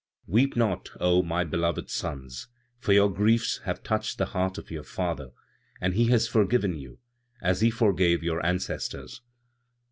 "Weep not, oh, my beloved sons! for your griefs have touched the heart of your Father and He has forgiven you, as He forgave your ancestors.